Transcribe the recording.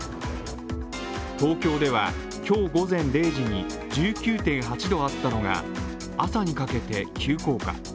東京では、今日午前０時に１９．８度あったのが朝にかけて、急降下。